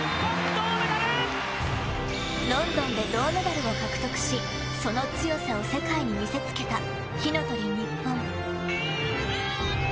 ロンドンで銅メダルを獲得しその強さを世界に見せつけた火の鳥ＮＩＰＰＯＮ。